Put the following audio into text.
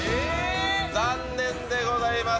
残念でございます。